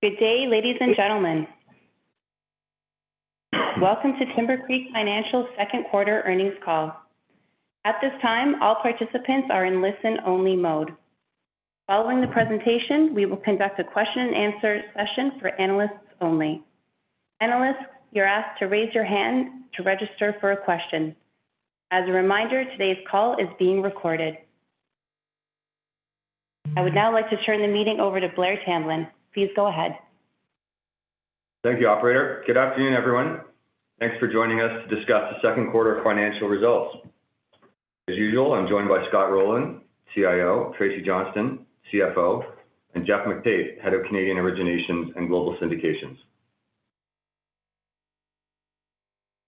Good day, ladies and gentlemen. Welcome to Timbercreek Financial second quarter earnings call. At this time, all participants are in listen-only mode. Following the presentation, we will conduct a question and answer session for analysts only. Analysts, you're asked to raise your hand to register for a question. As a reminder, today's call is being recorded. I would now like to turn the meeting over to Blair Tamblyn. Please go ahead. Thank you, operator. Good afternoon, everyone. Thanks for joining us to discuss the second quarter financial results. As usual, I'm joined by Scott Rowland, CIO, Tracy Johnston, CFO, and Jeff McDade, Head of Canadian Originations and Global Syndications.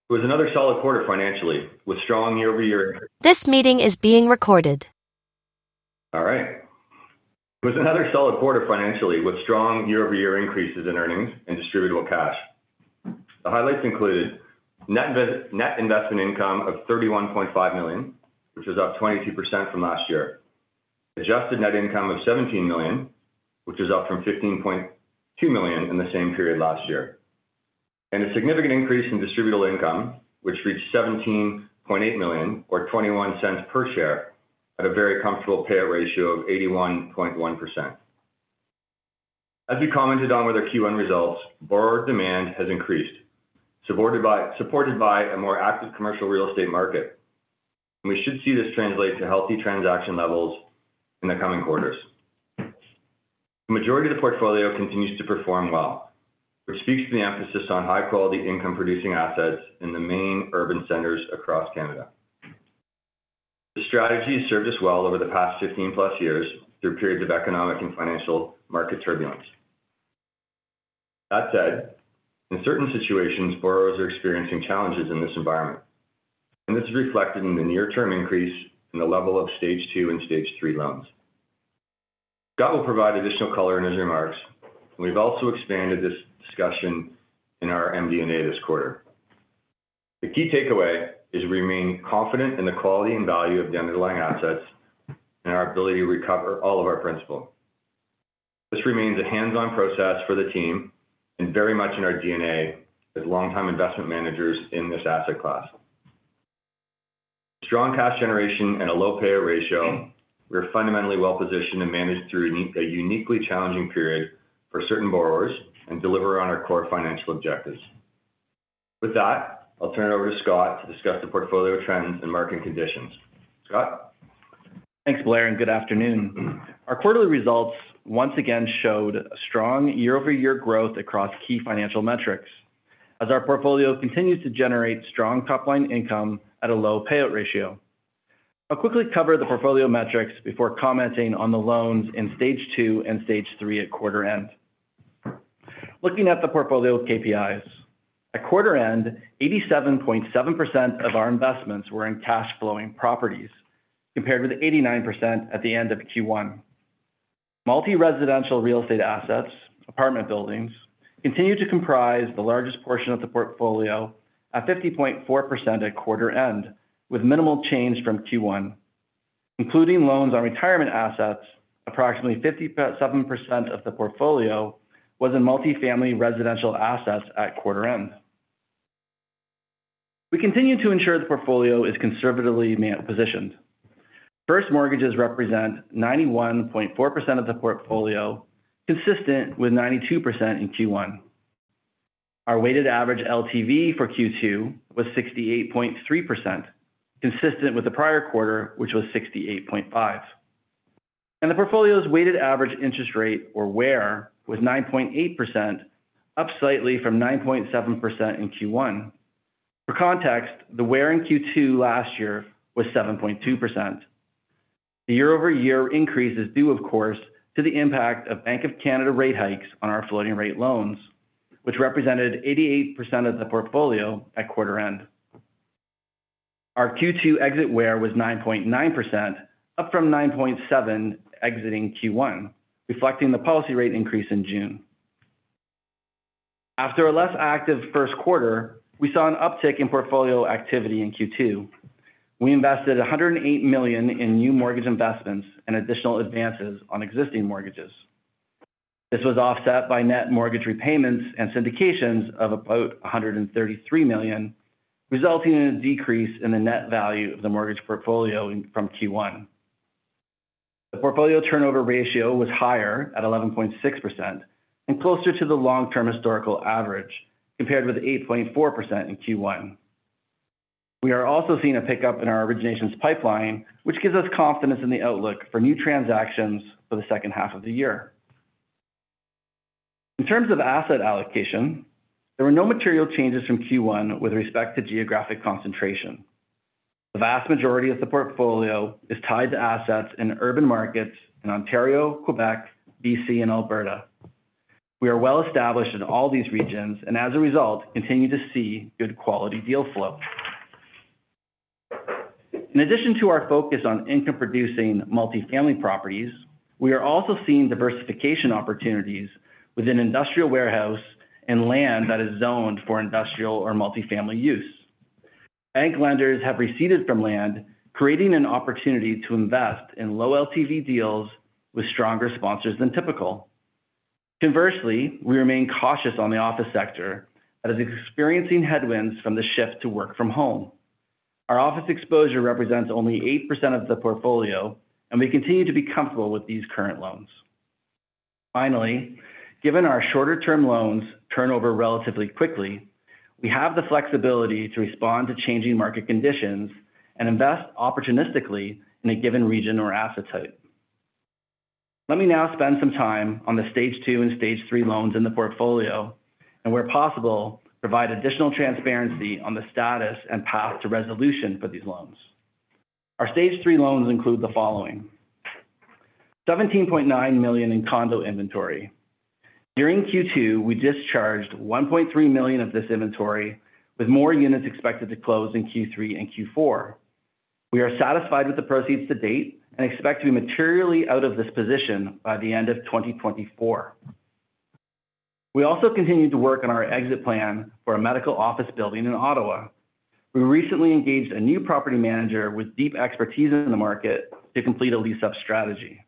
It was another solid quarter financially with strong year-over-year- This meeting is being recorded. All right. It was another solid quarter financially with strong year-over-year increases in earnings and distributable cash. The highlights included net investment income of 31.5 million, which is up 22% from last year. Adjusted net income of 17 million, which is up from 15.2 million in the same period last year. A significant increase in distributable income, which reached 17.8 million or 0.21 per share at a very comfortable payout ratio of 81.1%. As we commented on with our Q1 results, borrower demand has increased, supported by a more active commercial real estate market. We should see this translate to healthy transaction levels in the coming quarters. The majority of the portfolio continues to perform well, which speaks to the emphasis on high-quality income-producing assets in the main urban centers across Canada. The strategy served us well over the past 15+ years through periods of economic and financial market turbulence. That said, in certain situations, borrowers are experiencing challenges in this environment, and this is reflected in the near-term increase in the level of Stage two and Stage three loans. Scott will provide additional color in his remarks. We've also expanded this discussion in our MD&A this quarter. The key takeaway is we remain confident in the quality and value of the underlying assets and our ability to recover all of our principal. This remains a hands-on process for the team and very much in our DNA as longtime investment managers in this asset class. Strong cash generation and a low payout ratio, we're fundamentally well-positioned to manage through a uniquely challenging period for certain borrowers and deliver on our core financial objectives. With that, I'll turn it over to Scott to discuss the portfolio trends and market conditions. Scott? Thanks, Blair. Good afternoon. Our quarterly results once again showed a strong year-over-year growth across key financial metrics, as our portfolio continues to generate strong top-line income at a low payout ratio. I'll quickly cover the portfolio metrics before commenting on the loans in Stage two and Stage three at quarter end. Looking at the portfolio's KPIs, at quarter end, 87.7% of our investments were in cash-flowing properties, compared with 89% at the end of Q1. Multi-residential real estate assets, apartment buildings, continue to comprise the largest portion of the portfolio at 50.4% at quarter end, with minimal change from Q1. Including loans on retirement assets, approximately 57% of the portfolio was in multifamily residential assets at quarter end. We continue to ensure the portfolio is conservatively positioned. First mortgages represent 91.4% of the portfolio, consistent with 92% in Q1. Our weighted average LTV for Q2 was 68.3%, consistent with the prior quarter, which was 68.5%. The portfolio's weighted average interest rate, or WAIR, was 9.8%, up slightly from 9.7% in Q1. For context, the WAIR in Q2 2022 was 7.2%. The year-over-year increase is due, of course, to the impact of Bank of Canada rate hikes on our floating-rate loans, which represented 88% of the portfolio at quarter end. Our Q2 exit WAIR was 9.9%, up from 9.7% exiting Q1, reflecting the policy rate increase in June. After a less active first quarter, we saw an uptick in portfolio activity in Q2. We invested 108 million in new mortgage investments and additional advances on existing mortgages. This was offset by net mortgage repayments and syndications of about 133 million, resulting in a decrease in the net value of the mortgage portfolio from Q1. The portfolio turnover ratio was higher at 11.6% and closer to the long-term historical average, compared with 8.4% in Q1. We are also seeing a pickup in our originations pipeline, which gives us confidence in the outlook for new transactions for the second half of the year. In terms of asset allocation, there were no material changes from Q1 with respect to geographic concentration. The vast majority of the portfolio is tied to assets in urban markets in Ontario, Quebec, BC, and Alberta. We are well-established in all these regions and as a result, continue to see good quality deal flow. In addition to our focus on income-producing multifamily properties, we are also seeing diversification opportunities within industrial warehouse and land that is zoned for industrial or multifamily use. Bank lenders have receded from land, creating an opportunity to invest in low LTV deals with stronger sponsors than typical. Conversely, we remain cautious on the office sector that is experiencing headwinds from the shift to work from home. Our office exposure represents only 8% of the portfolio, and we continue to be comfortable with these current loans. Finally, given our shorter-term loans turn over relatively quickly, we have the flexibility to respond to changing market conditions and invest opportunistically in a given region or asset type. Let me now spend some time on the Stage two and Stage three loans in the portfolio, and where possible, provide additional transparency on the status and path to resolution for these loans. Our Stage three loans include the following: 17.9 million in condo inventory. During Q2, we discharged 1.3 million of this inventory, with more units expected to close in Q3 and Q4. We are satisfied with the proceeds to date and expect to be materially out of this position by the end of 2024. We also continued to work on our exit plan for a medical office building in Ottawa. We recently engaged a new property manager with deep expertise in the market to complete a lease-up strategy.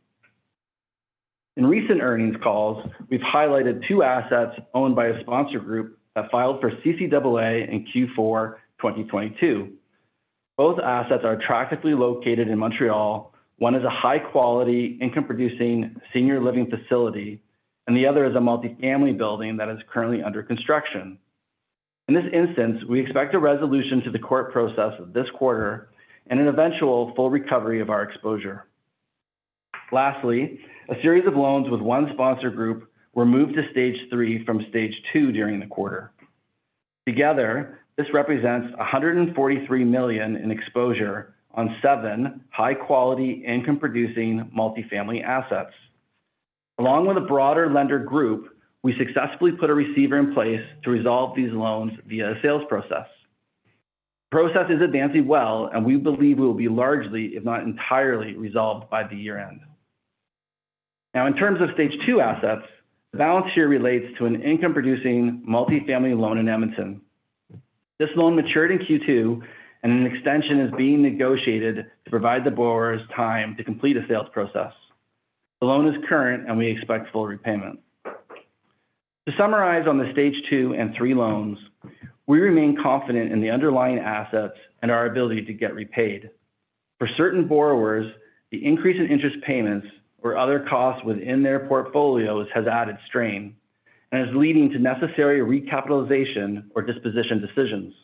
In recent earnings calls, we've highlighted two assets owned by a sponsor group that filed for CCAA in Q4, 2022. Both assets are attractively located in Montreal. One is a high-quality, income-producing senior living facility, and the other is a multifamily building that is currently under construction. In this instance, we expect a resolution to the court process this quarter and an eventual full recovery of our exposure. Lastly, a series of loans with one sponsor group were moved to Stage three from Stage two during the quarter. Together, this represents 143 million in exposure on 7 high-quality income-producing multifamily assets. Along with a broader lender group, we successfully put a receiver in place to resolve these loans via a sales process. The process is advancing well, and we believe will be largely, if not entirely, resolved by the year-end. Now, in terms of Stage two assets, the balance here relates to an income-producing multifamily loan in Edmonton. This loan matured in Q2, and an extension is being negotiated to provide the borrowers time to complete a sales process. The loan is current, and we expect full repayment. To summarize on the Stage two and Stage three loans, we remain confident in the underlying assets and our ability to get repaid. For certain borrowers, the increase in interest payments or other costs within their portfolios has added strain and is leading to necessary recapitalization or disposition decisions.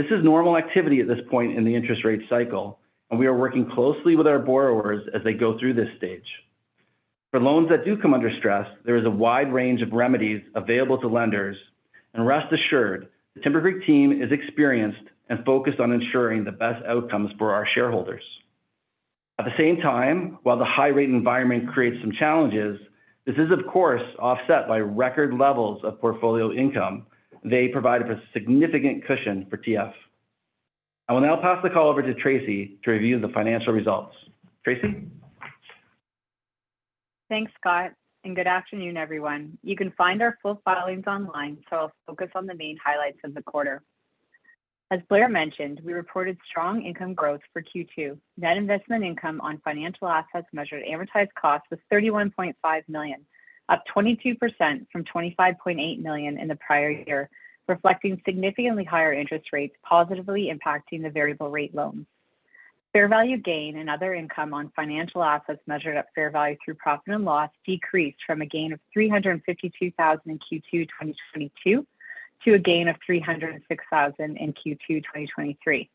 This is normal activity at this point in the interest rate cycle, and we are working closely with our borrowers as they go through this stage. For loans that do come under stress, there is a wide range of remedies available to lenders, and rest assured, the Timbercreek team is experienced and focused on ensuring the best outcomes for our shareholders. At the same time, while the high-rate environment creates some challenges, this is, of course, offset by record levels of portfolio income. They provide a significant cushion for TF. I will now pass the call over to Tracy to review the financial results. Tracy? Thanks, Scott. Good afternoon, everyone. You can find our full filings online. I'll focus on the main highlights of the quarter. As Blair mentioned, we reported strong income growth for Q2. Net investment income on financial assets measured amortized cost was 31.5 million, up 22% from 25.8 million in the prior year, reflecting significantly higher interest rates positively impacting the variable rate loans. Fair value gain and other income on financial assets measured at fair value through profit and loss decreased from a gain of 352,000 in Q2 2022 to a gain of 306,000 in Q2 2023.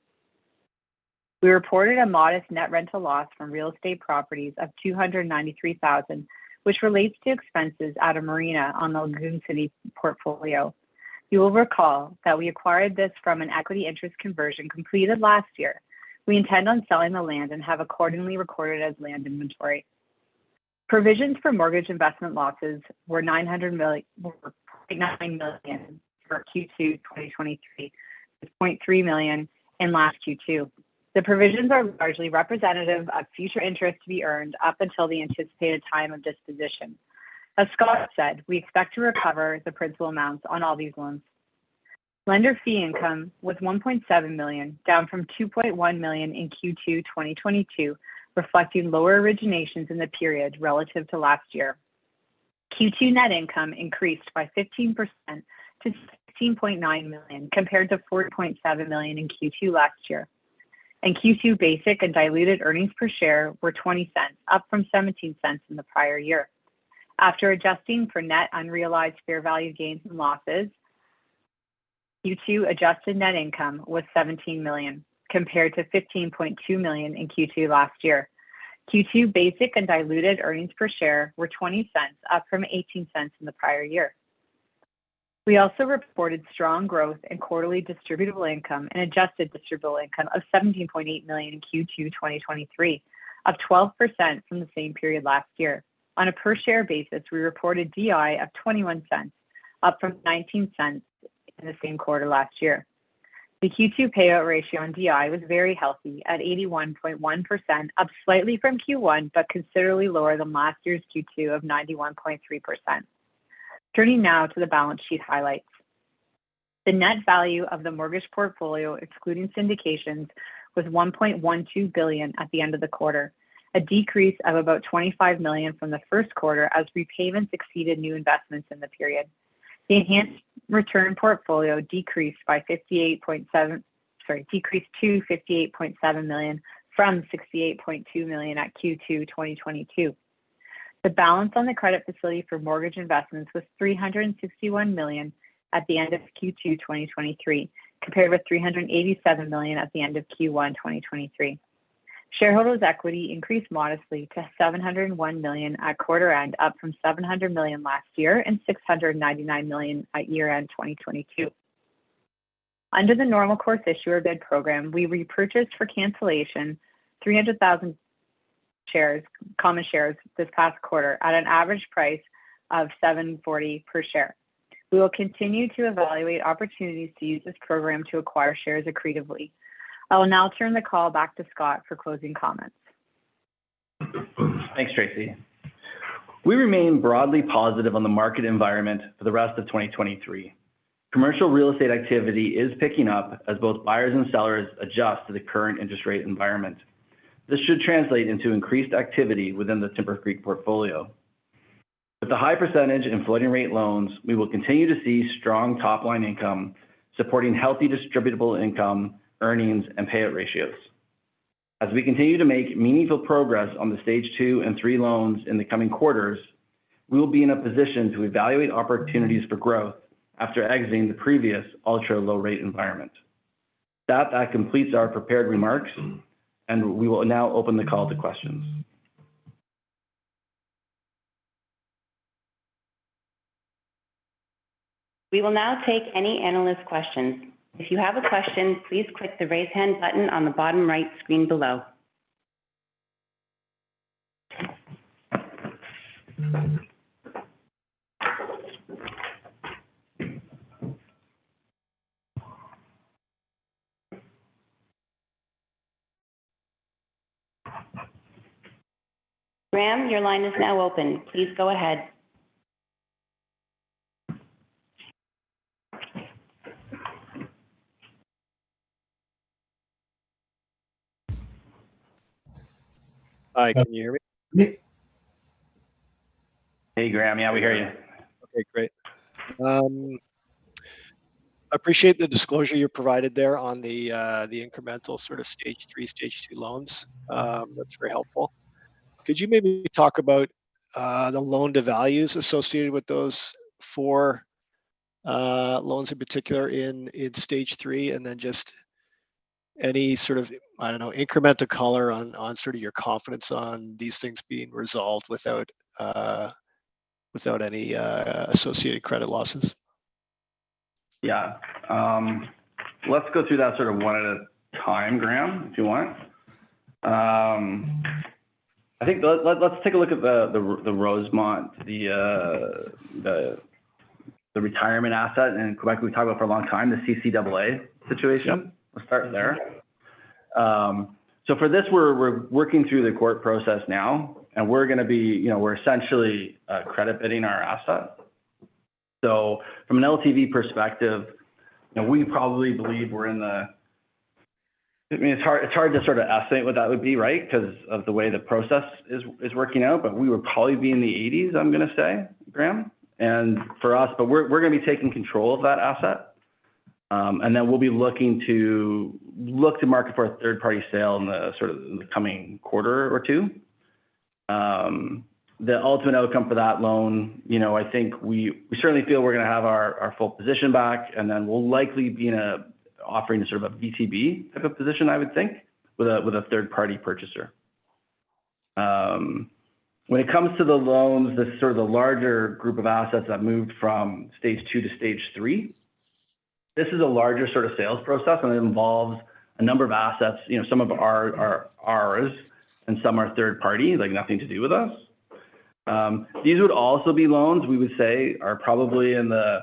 We reported a modest net rental loss from real estate properties of 293,000, which relates to expenses at a marina on the Lagoon City portfolio. You will recall that we acquired this from an equity interest conversion completed last year. We intend on selling the land and have accordingly recorded as land inventory. Provisions for mortgage investment losses were 9 million for Q2 2023, to 2.3 million in last Q2. The provisions are largely representative of future interest to be earned up until the anticipated time of disposition. As Scott said, we expect to recover the principal amounts on all these loans. Lender fee income was 1.7 million, down from 2.1 million in Q2 2022, reflecting lower originations in the period relative to last year. Q2 net income increased by 15% to 16.9 million, compared to 4.7 million in Q2 last year. Q2 basic and diluted earnings per share were 0.20, up from 0.17 in the prior year. After adjusting for net unrealized fair value gains and losses, Q2 adjusted net income was 17 million, compared to 15.2 million in Q2 last year. Q2 basic and diluted earnings per share were 0.20, up from 0.18 in the prior year. We also reported strong growth in quarterly distributable income and adjusted distributable income of 17.8 million in Q2 2023, up 12% from the same period last year. On a per-share basis, we reported DI of 0.21, up from 0.19 in the same quarter last year. The Q2 payout ratio on DI was very healthy at 81.1%, up slightly from Q1, but considerably lower than last year's Q2 of 91.3%. Turning now to the balance sheet highlights. The net value of the mortgage portfolio, excluding syndications, was 1.12 billion at the end of the quarter, a decrease of about 25 million from the first quarter as repayments exceeded new investments in the period. The enhanced return portfolio decreased by 58.7 million from 68.2 million at Q2 2022. The balance on the credit facility for mortgage investments was CAD 361 million at the end of Q2 2023, compared with CAD 387 million at the end of Q1 2023. Shareholders' equity increased modestly to CAD 701 million at quarter end, up from CAD 700 million last year and CAD 699 million at year-end 2022. Under the normal course issuer bid program, we repurchased for cancellation 300,000 shares, common shares this past quarter at an average price of 7.40 per share. We will continue to evaluate opportunities to use this program to acquire shares accretively. I will now turn the call back to Scott for closing comments. Thanks, Tracy. We remain broadly positive on the market environment for the rest of 2023. Commercial real estate activity is picking up as both buyers and sellers adjust to the current interest rate environment. This should translate into increased activity within the Timbercreek portfolio. With a high percentage in floating-rate loans, we will continue to see strong top-line income supporting healthy distributable income, earnings, and payout ratios. As we continue to make meaningful progress on the Stage two and Stage three loans in the coming quarters, we will be in a position to evaluate opportunities for growth after exiting the previous ultra-low-rate environment. That completes our prepared remarks, and we will now open the call to questions. We will now take any analyst questions. If you have a question, please click the Raise Hand button on the bottom right screen below. Graham, your line is now open. Please go ahead. Hi, can you hear me? Hey, Graham. Yeah, we hear you. Okay, great. appreciate the disclosure you provided there on the incremental sort of Stage three, Stage two loans. That's very helpful. Could you maybe talk about the loan-to-values associated with those four loans in particular in Stage three, and then just any sort of, I don't know, incremental color on sort of your confidence on these things being resolved without without any associated credit losses? Yeah. Let's go through that sort of one at a time, Graham, if you want. I think let, let's take a look at the, the, the Rosemont, the, the, the retirement asset, and like we talked about for a long time, the CCAA situation. Yep. We'll start there. For this, we're, we're working through the court process now, and we're going to be. You know, we're essentially, credit bidding our asset. From an LTV perspective, you know, we probably believe we're in the- I mean, it's hard, it's hard to sort of estimate what that would be, right? Because of the way the process is, is working out, but we would probably be in the 80s, I'm going to say, Graham. For us, we're, we're going to be taking control of that asset, and then we'll be looking to look to market for a third-party sale in the sort of the coming quarter or two. The ultimate outcome for that loan, you know, I think we, we certainly feel we're going to have our, our full position back, and then we'll likely be in a offering sort of a VTB type of position, I would think, with a, with a third-party purchaser. When it comes to the loans, this sort of the larger group of assets that moved from Stage two to Stage three, this is a larger sort of sales process, and it involves a number of assets. You know, some of them are, are ours and some are third party, like nothing to do with us. These would also be loans we would say are probably in the...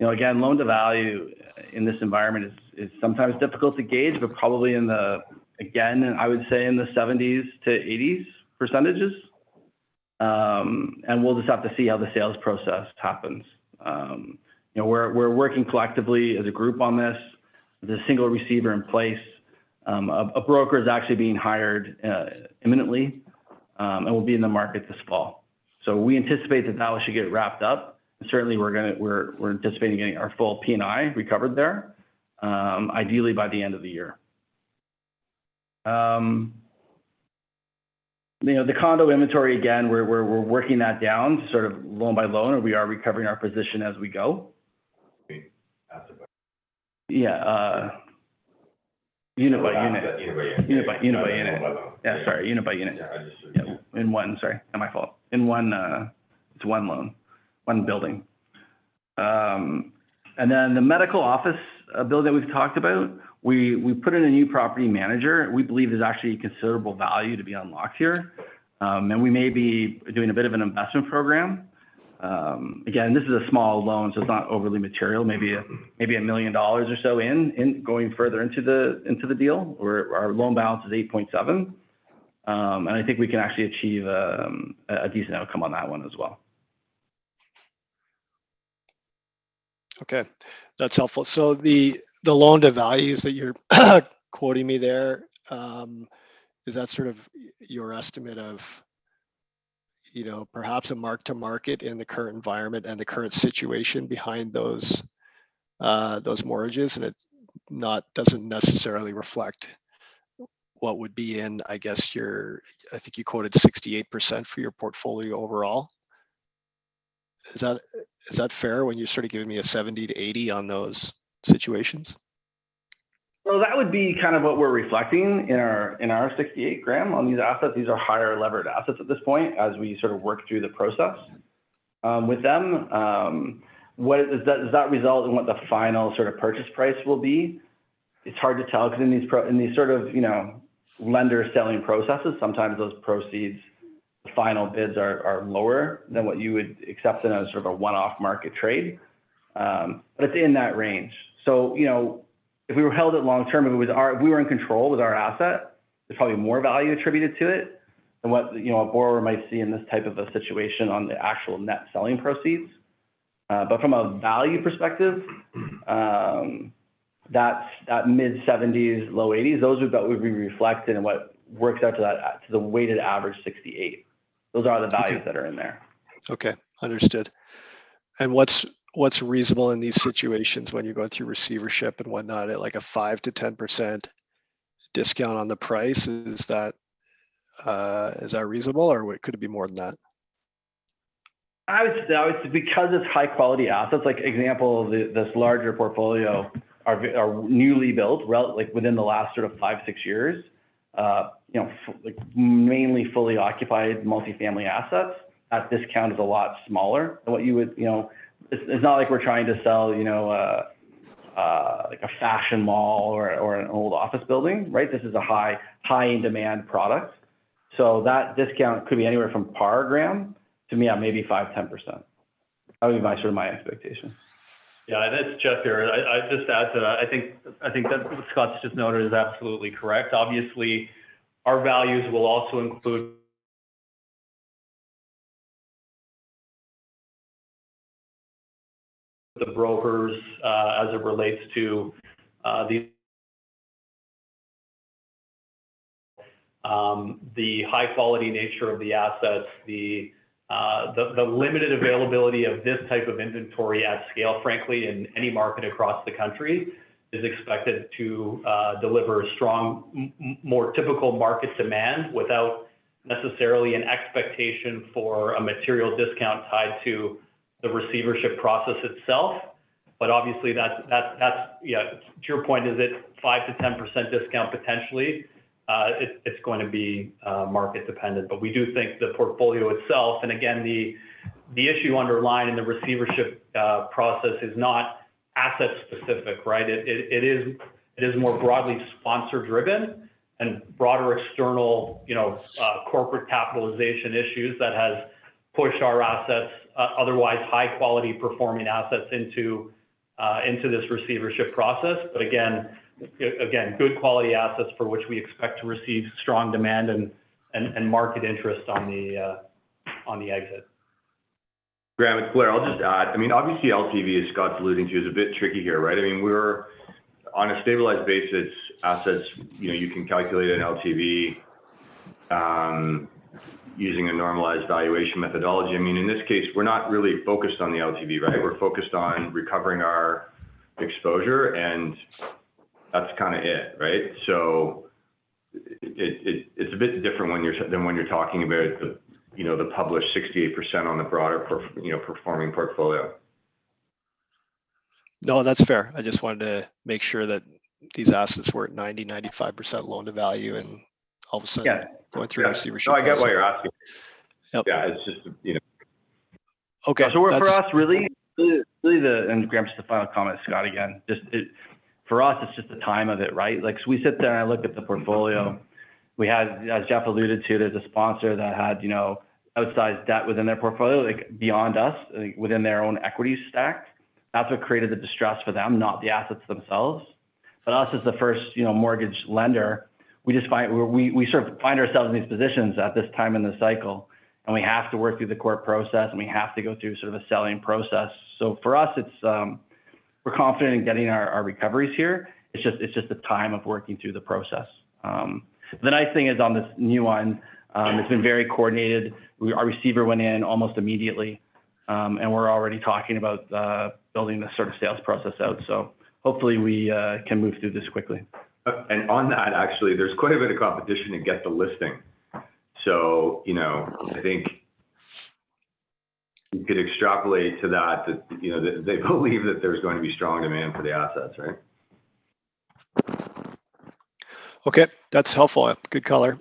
You know, again, loan-to-value in this environment is, is sometimes difficult to gauge, but probably in the, again, I would say in the 70%-80%. We'll just have to see how the sales process happens. You know, we're working collectively as a group on this, with a single receiver in place. A broker is actually being hired imminently and will be in the market this fall. We anticipate that that should get wrapped up, and certainly, we're anticipating getting our full P&I recovered there, ideally by the end of the year. You know, the condo inventory, again, we're working that down sort of loan by loan, and we are recovering our position as we go. Yeah, unit by unit. Unit by unit. Unit by unit. Loan by loan. Yeah, sorry, unit by unit. Yeah, I just- In one... Sorry, my fault. In one, it's one loan, one building. And then the medical office building we've talked about, we, we put in a new property manager. We believe there's actually considerable value to be unlocked here, and we may be doing a bit of an investment program. Again, this is a small loan, so it's not overly material. Maybe a, maybe 1 million dollars or so in, in going further into the, into the deal, where our loan balance is 8.7, and I think we can actually achieve a decent outcome on that one as well. Okay, that's helpful. The, the loan-to-values that you're quoting me there, is that sort of your estimate of, you know, perhaps a mark to market in the current environment and the current situation behind those, those mortgages, and it doesn't necessarily reflect what would be in, I guess, your... I think you quoted 68% for your portfolio overall. Is that, is that fair when you're sort of giving me a 70%-80% on those situations? Well, that would be kind of what we're reflecting in our, in our 68, Graham. On these assets, these are higher-levered assets at this point, as we sort of work through the process. With them, what does that result in what the final sort of purchase price will be? It's hard to tell because in these sort of, you know, lender selling processes, sometimes those proceeds, the final bids are lower than what you would accept in a sort of a one-off market trade. It's in that range. You know, if we were held it long term, if we were in control with our asset, there's probably more value attributed to it than what, you know, a borrower might see in this type of a situation on the actual net selling proceeds. From a value perspective, that's, that mid-70s%, low 80s%, those are what would be reflected and what works out to that, to the weighted average 68%. Okay values that are in there. Okay, understood. What's, what's reasonable in these situations when you're going through receivership and whatnot, at like a 5%-10% discount on the price? Is that, is that reasonable, or could it be more than that? I would say, I would because it's high-quality assets, like example, the, this larger portfolio are newly built, like within the last sort of five, six years. You know, like mainly fully occupied multifamily assets, that discount is a lot smaller than what you would. You know, it's, it's not like we're trying to sell, you know, like a fashion mall or, or an old office building, right? This is a high, high-in-demand product. That discount could be anywhere from par, Graham, to yeah, maybe 5%-10%. That would be my, sort of my expectation. Yeah, it's Jeff here. I, I just add to that, I think, I think that what Scott's just noted is absolutely correct. Obviously, our values will also include the brokers, as it relates to the high-quality nature of the assets, the limited availability of this type of inventory at scale, frankly, in any market across the country, is expected to deliver strong, more typical market demand without necessarily an expectation for a material discount tied to the receivership process itself. Yeah, to your point, is it 5%-10% discount potentially? It's, it's going to be market dependent. We do think the portfolio itself, and again, the issue underlying the receivership process is not asset specific, right? It is more broadly sponsor driven and broader external, you know, corporate capitalization issues that has pushed our assets, otherwise high quality-performing assets, into this receivership process. Again, good quality assets for which we expect to receive strong demand and market interest on the exit. Graham, it's Blair. I'll just add, I mean, obviously, LTV, as Scott's alluding to, is a bit tricky here, right? I mean, we're on a stabilized basis, assets, you know, you can calculate an LTV, using a normalized valuation methodology. I mean, in this case, we're not really focused on the LTV, right? We're focused on recovering our exposure, and that's kinda it, right? It, it, it's a bit different when you're- than when you're talking about the, you know, the published 68% on the broader per-- you know, performing portfolio. No, that's fair. I just wanted to make sure that these assets were at 90%-95% loan-to-value, and all of a sudden- Yeah... going through a receivership. No, I get why you're asking. Yep. Yeah, it's just, you know. Okay. For us, really, really the... Graham, just a final comment, Scott, again. Just for us, it's just the time of it, right? Like, we sit there and I look at the portfolio, we had, as Jeff alluded to, there's a sponsor that had, you know, outsized debt within their portfolio, like beyond us, like within their own equity stack. That's what created the distress for them, not the assets themselves. Us, as the first, you know, mortgage lender, we just find, we sort of find ourselves in these positions at this time in the cycle, and we have to work through the court process, and we have to go through sort of a selling process. For us, it's, we're confident in getting our recoveries here. It's just the time of working through the process. The nice thing is, on this new one, it's been very coordinated. Our receiver went in almost immediately, we're already talking about building the sort of sales process out. Hopefully, we can move through this quickly. On that, actually, there's quite a bit of competition to get the listing. You know, I think you could extrapolate to that, that, you know, they believe that there's going to be strong demand for the assets, right? Okay, that's helpful. Good color.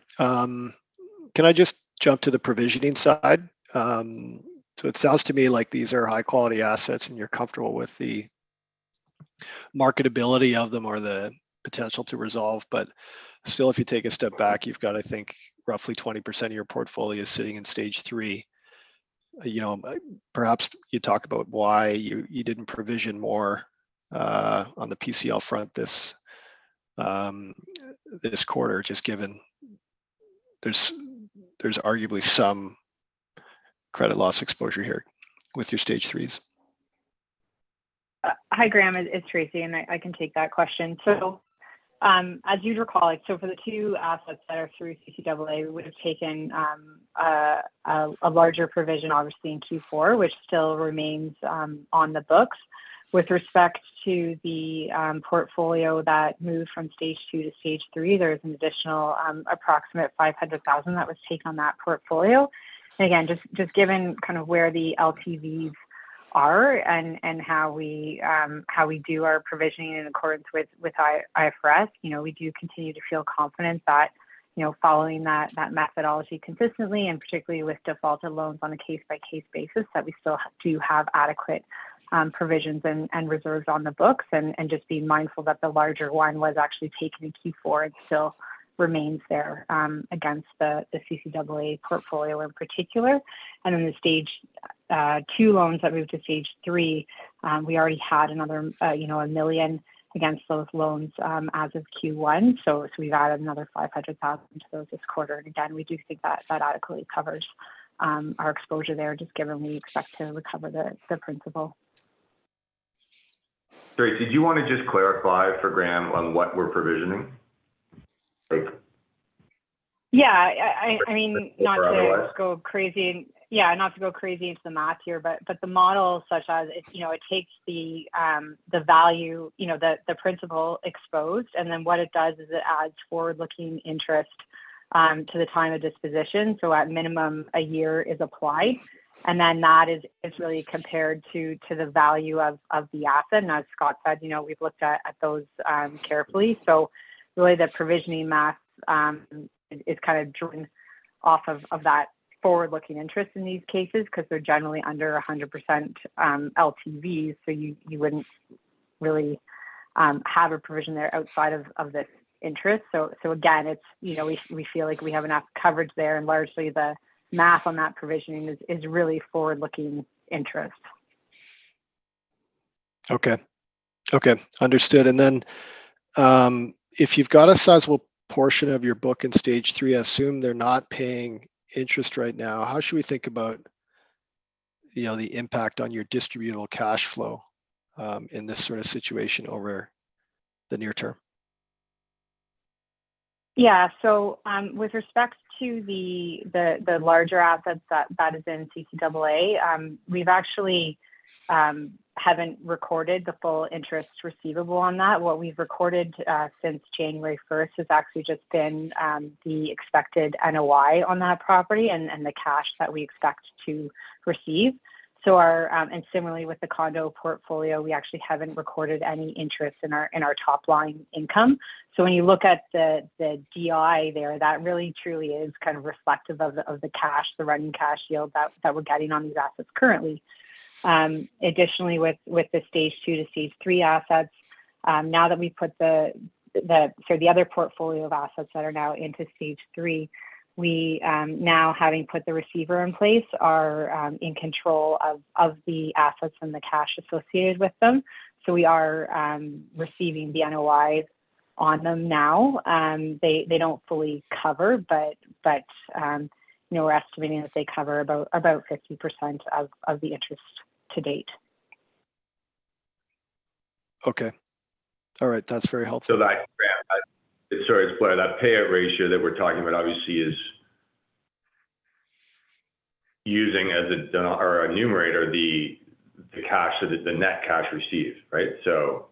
Can I just jump to the provisioning side? It sounds to me like these are high-quality assets, and you're comfortable with the marketability of them or the potential to resolve. Still, if you take a step back, you've got, I think, roughly 20% of your portfolio sitting in Stage three. You know, perhaps you talk about why you, you didn't provision more on the PCL front this quarter, just given there's, there's arguably some credit loss exposure here with your Stage threes? Hi, Graham. It's, it's Tracy, and I, I can take that question. As you'd recall, like, for the two assets that are through CCAA, we would've taken, a, a larger provision obviously in Q4, which still remains on the books. With respect to the portfolio that moved from Stage two to Stage three, there is an additional, approximate 500,000 that was taken on that portfolio. Again, just, just given kind of where the LTVs are and, how we, how we do our provisioning in accordance with IFRS, you know, we do continue to feel confident that, you know, following that, that methodology consistently, and particularly with defaulted loans on a case-by-case basis, that we still do have adequate provisions and reserves on the books. Just being mindful that the larger one was actually taken in Q4 and still remains there, against the CCAA portfolio in particular. Then the Stage two loans that moved to Stage three, we already had another, you know, 1 million against those loans, as of Q1, so we've added another 500,000 to those this quarter. Again, we do think that that adequately covers our exposure there, just given we expect to recover the principal. Tracy, did you wanna just clarify for Graham on what we're provisioning? Tracy? Yeah. I mean... For our audience.... not to go crazy. Yeah, not to go crazy into the math here, but, but the model such as it, you know, it takes the, the value, you know, the, the principal exposed, and then what it does is it adds forward-looking interest to the time of disposition. At minimum, a year is applied, and then that is, is really compared to, to the value of, of the asset. As Scott said, you know, we've looked at, at those carefully. Really the provisioning math is, is kind of driven off of, of that forward-looking interest in these cases, 'cause they're generally under 100% LTVs, so you, you wouldn't really have a provision there outside of, of the interest. Again, it's, you know, we, we feel like we have enough coverage there, and largely the math on that provisioning is, is really forward-looking interest. Okay. Okay, understood. Then, if you've got a sizable portion of your book in Stage three, I assume they're not paying interest right now. How should we think about, you know, the impact on your distributable cash flow, in this sort of situation over the near term? Yeah. With respect to the larger assets that is in CCAA, we've actually haven't recorded the full interest receivable on that. What we've recorded since January 1st has actually just been the expected NOI on that property and, and the cash that we expect to receive. Similarly, with the condo portfolio, we actually haven't recorded any interest in our, in our top line income. When you look at the GI there, that really truly is kind of reflective of the, of the cash, the running cash yield that, that we're getting on these assets currently. Additionally, with, with the Stage two to Stage three assets, now that we've put the, so the other portfolio of assets that are now into Stage three, we, now having put the receiver in place, are in control of, of the assets and the cash associated with them. We are receiving the NOIs on them now. They, they don't fully cover, but, but, you know, we're estimating that they cover about, about 50% of, of the interest to date. Okay. All right. That's very helpful. That, Graham, sorry, sorry, that payout ratio that we're talking about obviously is using as a denom- or a numerator, the, the cash, the net cash received, right? You know,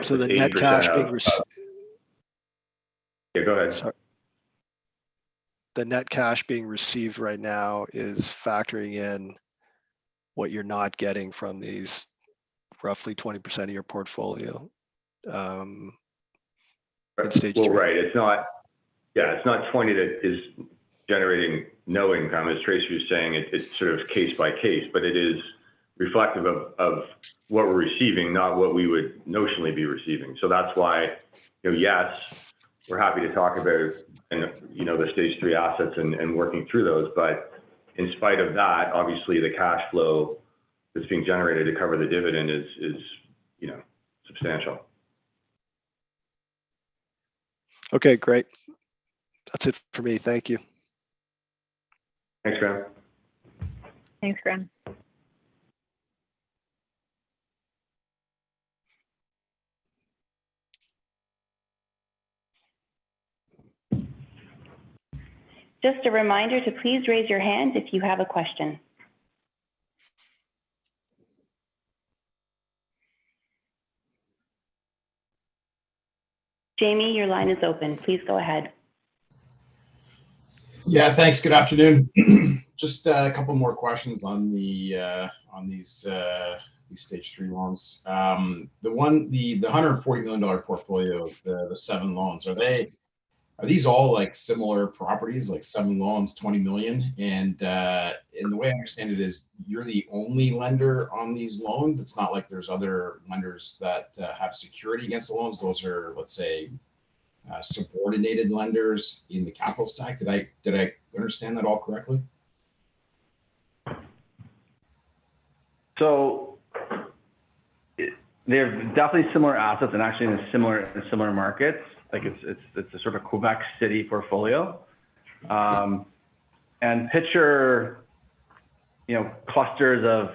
80% of... The net cash being received. Yeah, go ahead. Sorry. The net cash being received right now is factoring in what you're not getting from these roughly 20% of your portfolio, at Stage three? Well, right. It's not, yeah, it's not 20 that is generating no income, as Tracy was saying. It's sort of case by case. It is reflective of, of what we're receiving, not what we would notionally be receiving. That's why, you know, yes, we're happy to talk about, and, you know, the Stage three assets and working through those, but in spite of that, obviously, the cash flow that's being generated to cover the dividend is, is, you know, substantial. Okay, great. That's it for me. Thank you. Thanks, Graham. Thanks, Graham. Just a reminder to please raise your hand if you have a question. Jamie, your line is open. Please go ahead. Yeah, thanks. Good afternoon. Just a couple more questions on the on these Stage three loans. The 140 million dollar portfolio, the seven loans, are these all, like, similar properties, like seven loans, 20 million? The way I understand it is, you're the only lender on these loans. It's not like there's other lenders that have security against the loans. Those are subordinated lenders in the capital stack? Did I understand that all correctly? It- they're definitely similar assets and actually in a similar, in similar markets. Like it's, it's, it's a sort of Quebec City portfolio. Picture, you know, clusters of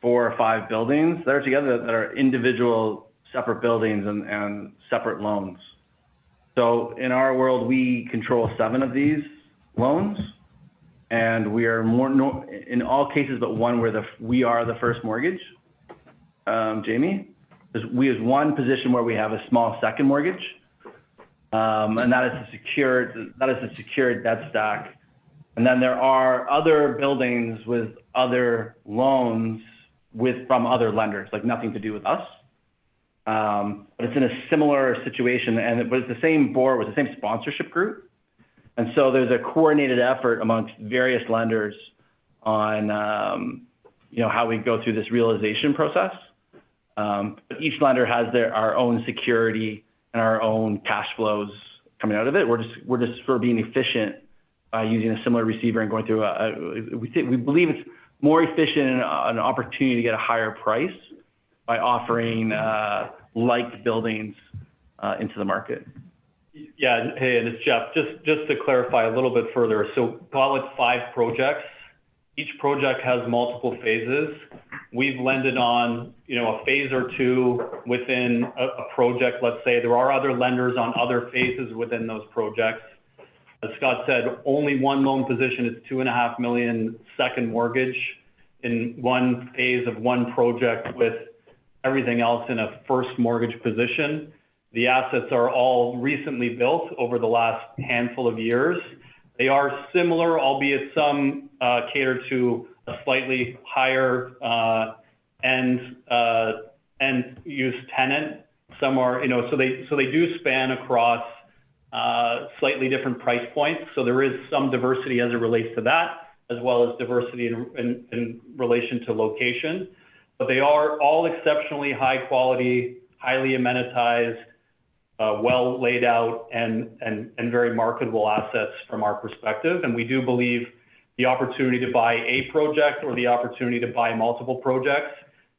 4 or 5 buildings that are together, that are individual, separate buildings and, and separate loans. In our world, we control seven of these loans, and we are more nor- in all cases, but 1, we're the- we are the first mortgage, Jamie. There's- we have 1 position where we have a small second mortgage, and that is a secured, that is a secured debt stack. Then there are other buildings with other loans with- from other lenders, like nothing to do with us. It's in a similar situation, and but it's the same board with the same sponsorship group. There's a coordinated effort amongst various lenders on, you know, how we go through this realization process. Each lender has their, our own security and our own cash flows coming out of it. We're just sort of being efficient by using a similar receiver and going through a... we believe it's more efficient and an opportunity to get a higher price by offering, liked buildings, into the market. Yeah. Hey, it's Jeff. Just, just to clarify a little bit further. Call it five projects. Each project has multiple phases. We've lended on, you know, a phase or two within a project. Let's say, there are other lenders on other phases within those projects. As Scott said, only one loan position is 2.5 million second mortgage in one phase of one project, with everything else in a first mortgage position. The assets are all recently built over the last handful of years. They are similar, albeit some cater to a slightly higher end, end-use tenant. Some are, you know. They, they do span across slightly different price points, so there is some diversity as it relates to that, as well as diversity in relation to location. They are all exceptionally high quality, highly amenitized, well laid out, and very marketable assets from our perspective. We do believe the opportunity to buy a project or the opportunity to buy multiple projects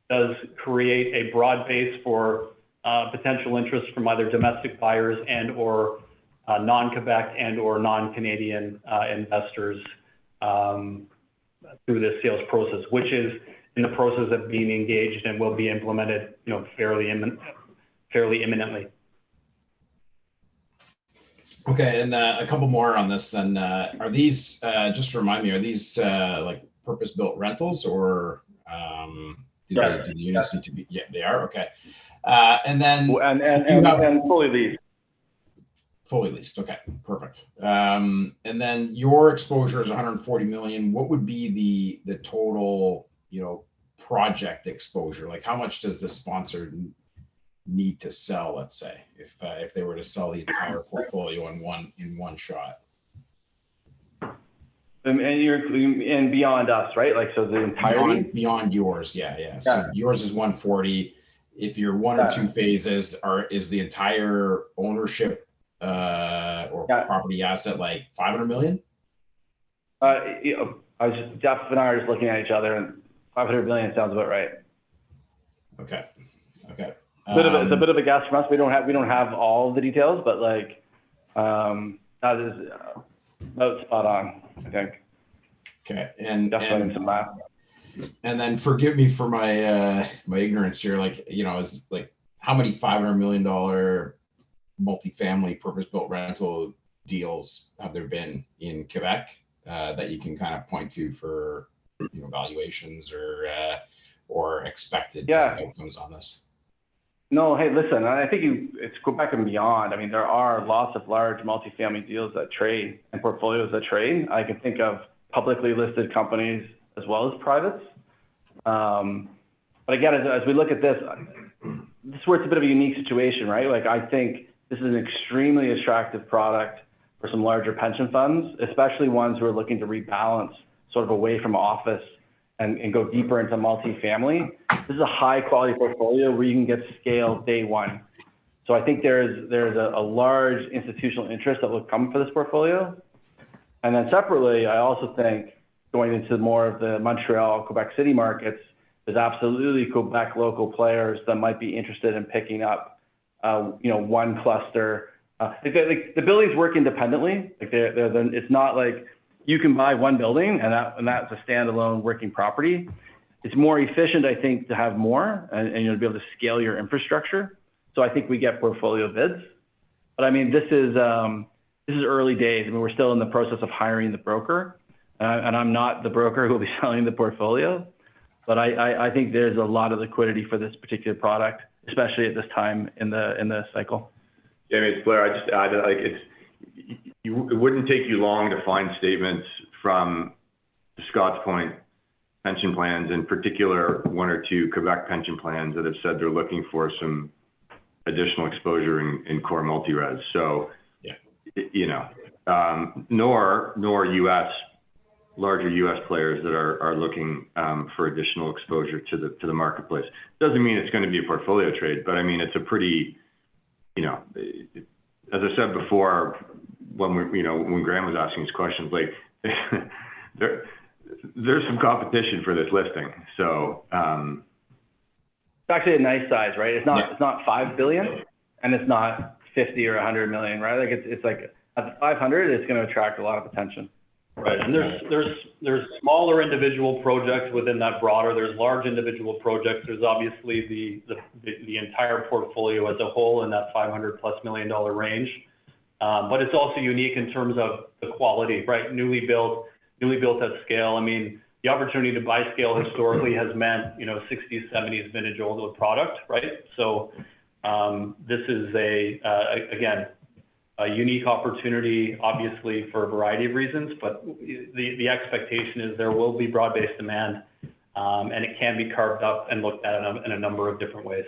does create a broad base for potential interest from either domestic buyers and/or non-Quebec and/or non-Canadian investors through this sales process. Which is in the process of being engaged and will be implemented, you know, fairly imminently. Okay, a couple more on this then. Are these... Just remind me, are these, like, purpose-built rentals or...? Right. yeah, they are? Okay. and then- fully leased. Fully leased. Okay, perfect. And then your exposure is 140 million. What would be the, the total, you know, project exposure? Like, how much does the sponsor need to sell, let's say, if, if they were to sell the entire portfolio in one, in one shot? beyond us, right? Like, Beyond, beyond yours. Yeah, yeah. Got it. Yours is 140. If you're 1 of 2 phases, is the entire ownership? Got it.... or property asset, like 500 million? You know, Jeff and I are just looking at each other, and 500 million sounds about right. Okay. Okay, Bit of a, it's a bit of a guess from us. We don't have, we don't have all the details, but, like, that is. No, it's spot on, I think. Okay. Definitely somewhere around. forgive me for my, my ignorance here. Like, you know, as, like, how many 500 million dollar multifamily purpose-built rental deals have there been in Quebec, that you can kind of point to for, you know, valuations or, or expected- Yeah outcomes on this? No. Hey, listen, I think it's Quebec and beyond. I mean, there are lots of large multifamily deals that trade and portfolios that trade. I can think of publicly listed companies as well as privates. Again, as, as we look at this, this where it's a bit of a unique situation, right? Like, I think this is an extremely attractive product for some larger pension funds, especially ones who are looking to rebalance sort of away from office and, and go deeper into multifamily. This is a high-quality portfolio where you can get scale day one. I think there is, there is a, a large institutional interest that will come for this portfolio. Separately, I also think going into more of the Montreal, Quebec City markets, there's absolutely Quebec local players that might be interested in picking up, you know, one cluster. Like, the buildings work independently. Like, it's not like you can buy one building, and that, and that's a standalone working property. It's more efficient, I think, to have more and, and you'll be able to scale your infrastructure. I think we get portfolio bids. I mean, this is, this is early days. I mean, we're still in the process of hiring the broker, and I'm not the broker who will be selling the portfolio. I, I, I think there's a lot of liquidity for this particular product, especially at this time in the, in the cycle. Jamie, it's Blair. I, like it wouldn't take you long to find statements from Scott's point, pension plans, in particular, one or two Quebec pension plans that have said they're looking for some additional exposure in, in core multi-res. Yeah... you know, nor, nor U.S.... larger U.S. players that are looking for additional exposure to the marketplace. Doesn't mean it's going to be a portfolio trade, but I mean, it's a pretty, you know, as I said before, when we, you know, when Graham was asking these questions, like, there's some competition for this listing. So. It's actually a nice size, right? Yeah. It's not, it's not 5 billion, and it's not 50 million or 100 million, right? Like, it's, it's like at 500 million, it's going to attract a lot of attention. Right. There's smaller individual projects within that broader. There's large individual projects. There's obviously the entire portfolio as a whole in that $500+ million range. It's also unique in terms of the quality, right? Newly built, newly built at scale. I mean, the opportunity to buy scale historically has meant, you know, 60s, 70s vintage older product, right? This is again, a unique opportunity, obviously, for a variety of reasons, but the expectation is there will be broad-based demand, and it can be carved up and looked at in a number of different ways.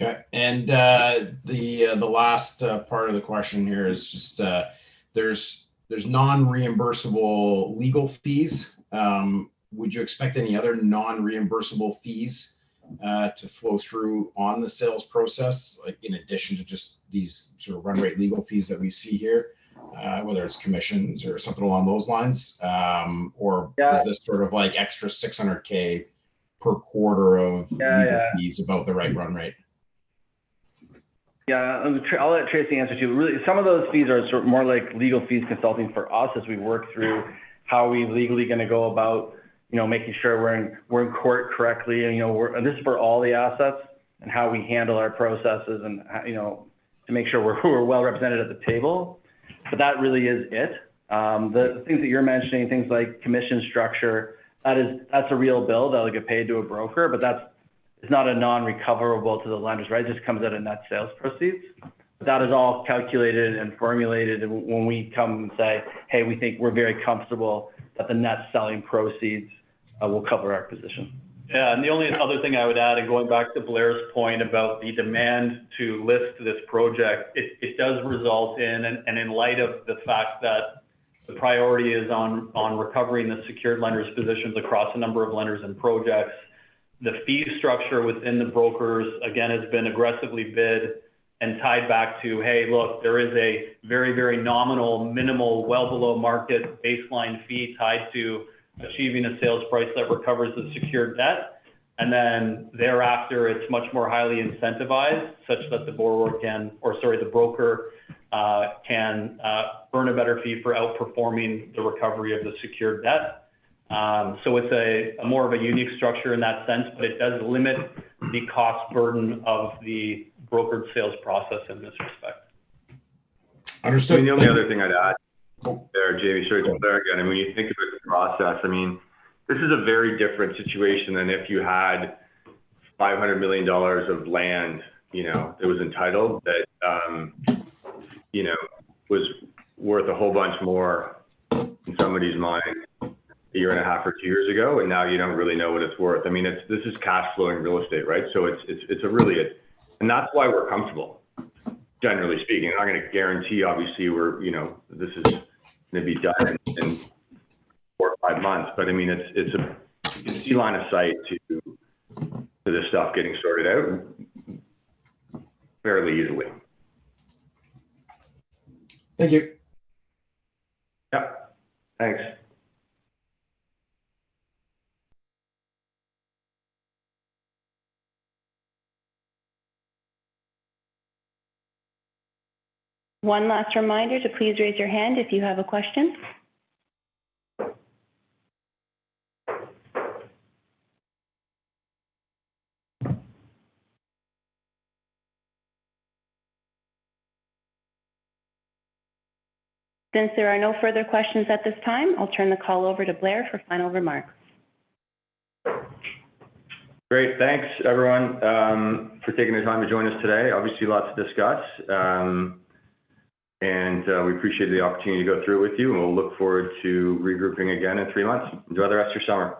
Okay. The last part of the question here is just, there's non-reimbursable legal fees. Would you expect any other non-reimbursable fees to flow through on the sales process, like, in addition to just these sort of run rate legal fees that we see here, whether it's commissions or something along those lines? Yeah. is this sort of like extra 600K per quarter of- Yeah, yeah. legal fees about the right run rate? Yeah. I'll let Tracy answer, too. Really, some of those fees are sort of more like legal fees consulting for us as we work through how are we legally going to go about, you know, making sure we're in, we're in court correctly. You know, we're-- And this is for all the assets and how we handle our processes, you know, to make sure we're, we're well represented at the table. That really is it. The things that you're mentioning, things like commission structure, that is-- that's a real bill that will get paid to a broker, but that's-- it's not a non-recoverable to the lenders, right? It just comes out of net sales proceeds. That is all calculated and formulated when we come and say, "Hey, we think we're very comfortable that the net selling proceeds will cover our position. Yeah, the only other thing I would add, going back to Blair's point about the demand to list this project, it does result in. In light of the fact that the priority is on recovering the secured lenders' positions across a number of lenders and projects, the fee structure within the brokers, again, has been aggressively bid and tied back to, hey, look, there is a very, very nominal, minimal, well below market baseline fee tied to achieving a sales price that recovers the secured debt. Then thereafter, it's much more highly incentivized, such that the borrower can, or sorry, the broker, can earn a better fee for outperforming the recovery of the secured debt. It's more of a unique structure in that sense, but it does limit the cost burden of the brokered sales process in this respect. Understood. The only other thing I'd add there, Jamie, sorry, to Blair again, I mean, when you think about the process, I mean, this is a very different situation than if you had 500 million dollars of land, you know, it was entitled that, you know, was worth a whole bunch more in somebody's mind a year and a half or 2 years ago, and now you don't really know what it's worth. I mean, this is cash flowing real estate, right? So it's, it's, it's really. That's why we're comfortable, generally speaking. I'm not going to guarantee, obviously, we're, you know, this is going to be done in four or five months, but I mean, it's, it's a good line of sight to, to this stuff getting sorted out fairly easily. Thank you. Yeah. Thanks. One last reminder to please raise your hand if you have a question. Since there are no further questions at this time, I'll turn the call over to Blair for final remarks. Great. Thanks, everyone, for taking the time to join us today. Obviously, lots to discuss, and we appreciate the opportunity to go through it with you, and we'll look forward to regrouping again in three months. Enjoy the rest of your summer.